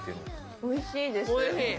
おいしいです。